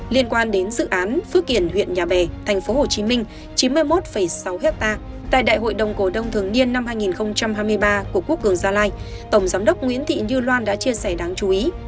liên quan đến dự án phước kiển huyện nhà bè tp hcm chín mươi một sáu hectare tại đại hội đồng cổ đông thường niên năm hai nghìn hai mươi ba của quốc cường gia lai tổng giám đốc nguyễn thị như loan đã chia sẻ đáng chú ý